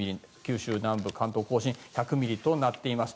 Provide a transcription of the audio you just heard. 九州南部、関東・甲信１００ミリとなっています。